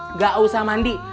nggak usah mandi